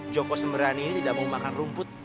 joko sembrani ini tidak mau makan rumput